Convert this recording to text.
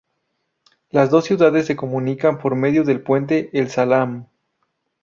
Las dos ciudades se comunican por medio del puente El Salaam.